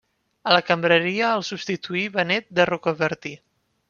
A la cambreria el substituí Benet de Rocabertí.